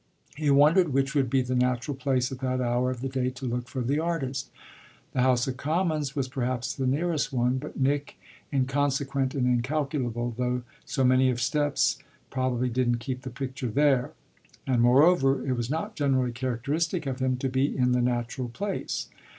He wondered which would be the natural place at that hour of the day to look for the artist. The House of Commons was perhaps the nearest one, but Nick, inconsequent and incalculable though so many of his steps, probably didn't keep the picture there; and, moreover, it was not generally characteristic of him to be in the natural place.